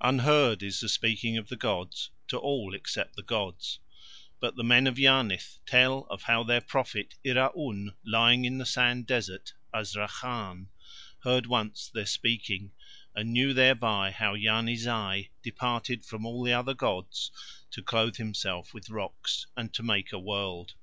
Unheard is the speaking of the gods to all except the gods, but the men of Yarnith tell of how their prophet Iraun lying in the sand desert, Azrakhan, heard once their speaking and knew thereby how Yarni Zai departed from all the other gods to clothe himself with rocks and make a world.